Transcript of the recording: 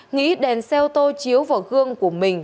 nghĩ đèn xe ô tô chiếu vào gương của mình